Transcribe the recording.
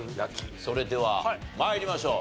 それでは参りましょう。